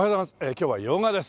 今日は用賀です。